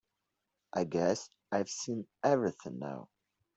I guess I've seen everything now.